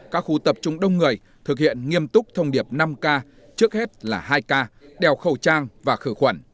các khu tập trung đông người thực hiện nghiêm túc thông điệp năm k trước hết là hai k đeo khẩu trang và khử khuẩn